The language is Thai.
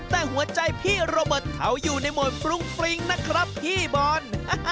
แต่หัวใจพี่โรเบิร์ตเขาอยู่ในโหมดฟรุ้งฟริ้งนะครับพี่บอล